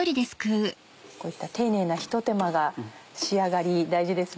こういった丁寧なひと手間が仕上がり大事ですね。